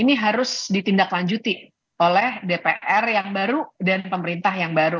ini harus ditindaklanjuti oleh dpr yang baru dan pemerintah yang baru